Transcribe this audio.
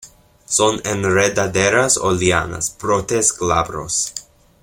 Son enredaderas o lianas; brotes glabros.